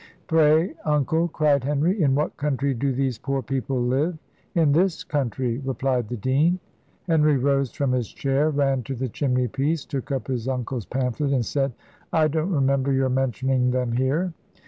"Pray, uncle," cried Henry, "in what country do these poor people live?" "In this country," replied the dean. Henry rose from his chair, ran to the chimney piece, took up his uncle's pamphlet, and said, "I don't remember your mentioning them here."